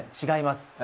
違います。